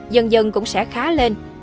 dần dần cũng sẽ khá lên